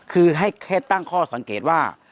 คือให้แค่ตั้งข้อสังเกตว่า